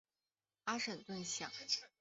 阿什顿巷。